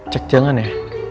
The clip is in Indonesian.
cek jangan ya